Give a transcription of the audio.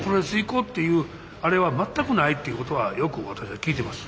こうっていうあれは全くないっていうことはよく私は聞いてます。